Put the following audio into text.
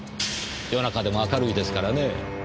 夜中でも明るいですからねぇ。